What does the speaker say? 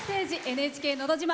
「ＮＨＫのど自慢」。